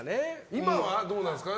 今はどうなんですか？